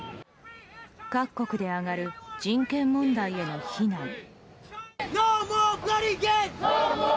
各国で上がる人権問題への非難。